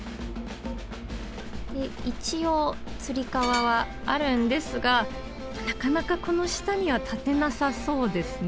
でいちおうつりかわはあるんですがなかなかこのしたにはたてなさそうですね。